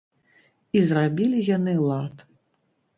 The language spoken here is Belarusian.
І зрабілі яны лад.